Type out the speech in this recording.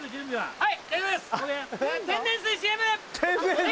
はい。